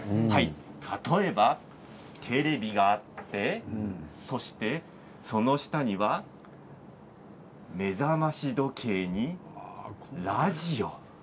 例えば、テレビがあってそしてその下には目覚まし時計にラジオ。